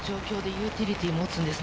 ユーティリティーを持っています。